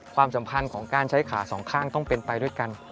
ความสัมพันธ์ของการใช้ขาสองข้างต้องเป็นไปด้วยกัน